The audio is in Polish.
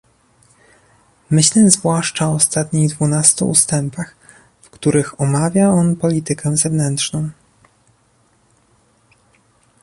Myślę zwłaszcza o ostatnich dwunastu ustępach, w których omawia on politykę zewnętrzną